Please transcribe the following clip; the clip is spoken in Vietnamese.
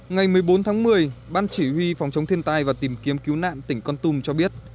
ngày một mươi bốn tháng một mươi ban chỉ huy phòng chống thiên tai và tìm kiếm cứu nạn tỉnh con tum cho biết